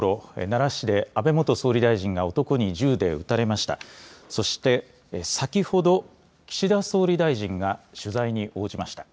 奈良市で安倍元総理大臣が男に銃で撃たれました。